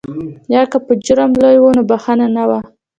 یا که به جرم لوی و نو بخښنه نه وه.